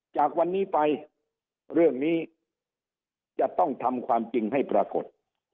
จากวันนี้ไปเรื่องนี้จะต้องทำความจริงให้ปรากฏ